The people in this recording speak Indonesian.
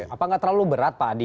apa nggak terlalu berat pak adi